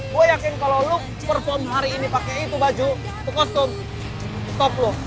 gue yakin kalo lu perform hari ini pake itu baju itu kostum top lo